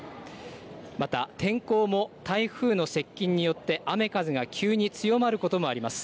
また天候も台風の接近によって雨風が急に強まることもあります。